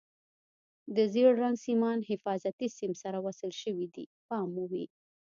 د زیړ رنګ سیمان حفاظتي سیم سره وصل شوي دي پام مو وي.